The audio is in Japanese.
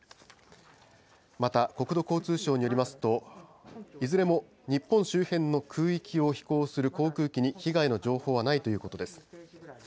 また、国土交通省によりますと、いずれも日本周辺の空域を飛行する航空機に被害の情報はないということです。